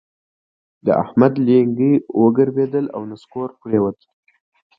د احمد لېنګي وګړبېدل او نسکور پرېوت.